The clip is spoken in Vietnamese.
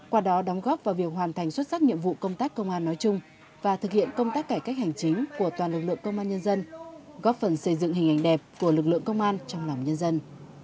qua đó đóng góp vào việc hoàn thành xuất sắc nhiệm vụ công tác công an nói chung và thực hiện công tác cải cách hành chính của toàn lực lượng công an nhân dân góp phần xây dựng hình ảnh đẹp của lực lượng công an trong lòng nhân dân